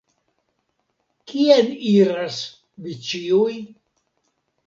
Kien iras vi ĉiuj?